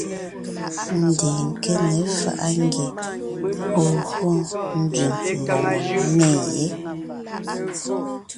Ndeen nke ne faʼa ngie ɔ̀ gyo nzẅìŋ mbòŋo ne yé.